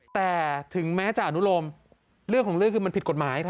แต่ถึงแม้จะอนุโลมเรื่องของเรื่องคือมันผิดกฎหมาย